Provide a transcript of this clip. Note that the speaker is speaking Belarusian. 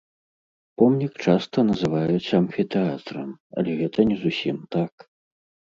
Помнік часта называюць амфітэатрам, але гэта не зусім так.